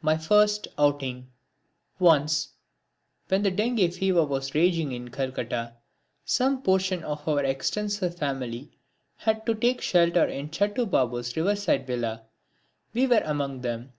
(8) My First Outing Once, when the dengue fever was raging in Calcutta, some portion of our extensive family had to take shelter in Chhatu Babu's river side villa. We were among them.